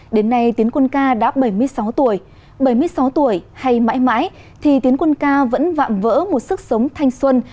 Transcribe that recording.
đến nay tiến quân ca đã bảy mươi sáu tuổi bảy mươi sáu tuổi hay mãi mãi thì tiến quân ca vẫn vạm vỡ một sức sống thanh xuân